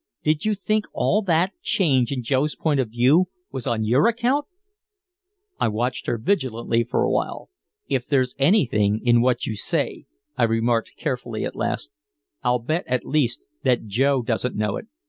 "Did you think all that change in Joe's point of view was on your account?" I watched her vigilantly for a while. "If there's anything in what you say," I remarked carefully at last, "I'll bet at least that Joe doesn't know it.